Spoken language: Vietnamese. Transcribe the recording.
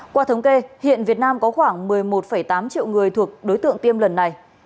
qua thống kê hiện việt nam có khoảng một mươi một tám triệu người thuộc đối tượng tiêm lần này